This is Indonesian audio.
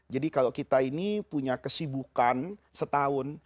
kalau kita ini punya kesibukan setahun